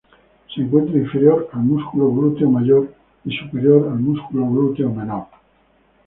Se encuentra inferior al músculo glúteo mayor y superior al músculo glúteo menor.